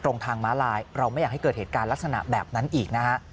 ตรงทางม้าลายเราไม่อยากให้เกิดเหตุการณ์ลักษณะแบบนั้นอีกนะฮะ